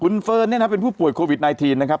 คุณเฟิร์นเนี่ยนะเป็นผู้ป่วยโควิด๑๙นะครับ